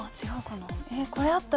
違うかな？